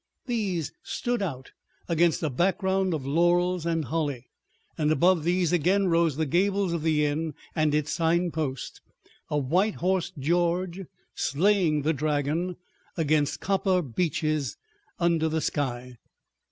These stood out against a background of laurels and holly, and above these again rose the gables of the inn and its signpost—a white horsed George slaying the dragon—against copper beeches under the sky.